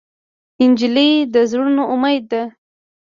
نجلۍ د زړونو امید ده.